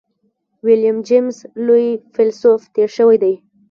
ويليم جېمز لوی فيلسوف تېر شوی دی.